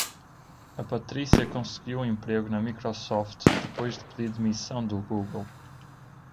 A Patrícia conseguiu um emprego na Microsoft depois de pedir demissão do Google.